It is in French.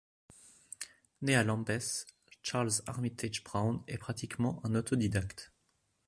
Né à Lambeth, Charles Armitage Brown est pratiquement un autodidacte.